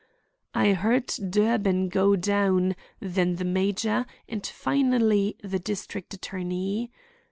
I heard Durbin go down, then the major, and finally, the district attorney.